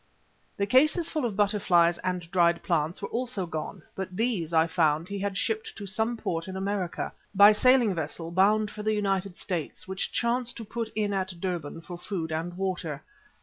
The cases full of butterflies and dried plants were also gone, but these, I found he had shipped to some port in America, by a sailing vessel bound for the United States which chanced to put in at Durban for food and water.